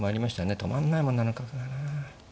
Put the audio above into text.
止まんないもんなあの角がな。